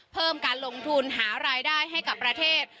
เพิ่มการลงทุนหารายได้ให้กับประเทศ